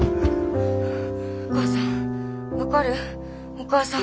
お母さん？